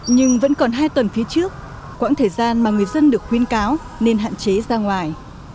nhưng vẫn còn hai tuần phía trước quãng thời gian mà người dân được khuyên cáo nên hạn chế ra ngoài